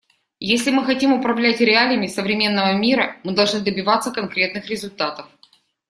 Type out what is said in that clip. Если мы хотим управлять реалиями современного мира, мы должны добиваться конкретных результатов.